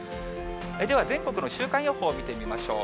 では全国の週間予報、見てみましょう。